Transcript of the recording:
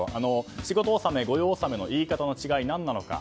仕事納め、御用納めの言い方の違い、何なのか。